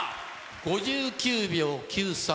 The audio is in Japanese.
５９秒９３。